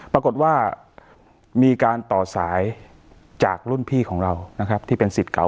ปรากฏว่ามีการต่อสายจากรุ่นพี่ของเรานะครับที่เป็นสิทธิ์เก่า